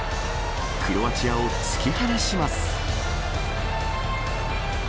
クロアチアを突き放します。